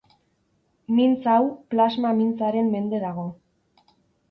Mintz hau, plasma mintzaren mende dago.